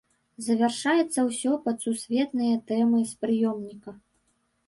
Завяршаецца ўсё пад сусветныя тэмы з прыёмніка.